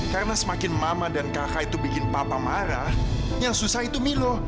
karena semakin mama dan kakak itu bikin papa marah yang susah itu milo